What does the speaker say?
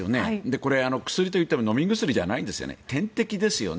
これ、薬といっても飲み薬じゃないんですよね。